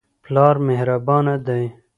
پلار مهربانه دی.